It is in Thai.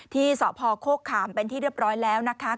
ที่สพโคกขามเป็นที่เรียบร้อยแล้วนะคะ